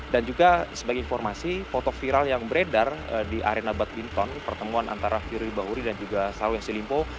dan juga sebagai informasi foto viral yang beredar di arena badminton pertemuan antara firly bahuri dan juga syahrul yassin limpo